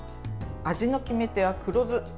味の決め手は黒酢。